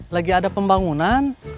lagi ada pembangunan